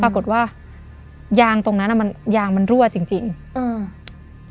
ปรากฏว่ายางตรงนั้นอ่ะมันยางมันรั่วจริงจริงอืม